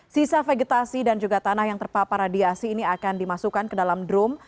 sisa vegetasi dan juga tanah yang terpapar radiasi ini akan dimasukkan ke dalam drum